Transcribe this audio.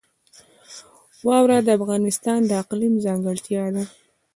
واوره د افغانستان د اقلیم ځانګړتیا ده.